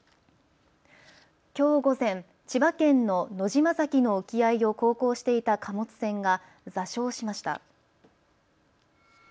きょう午前、千葉県の野島崎の沖合を航行していた貨物船が座礁しました。